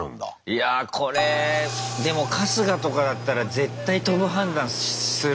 いやこれでも春日とかだったら絶対飛ぶ判断するだろう。